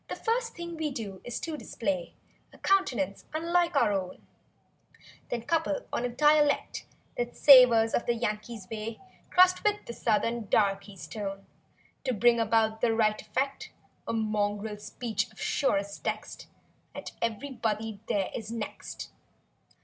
First thing we do is to display A countenance unlike our own; Then couple on a dialect That savors of the yankee's way. Crossed with the southern darkey's tone, 89 To bring about the right effect— A mongrel speech of surest text. (And everybody there is next).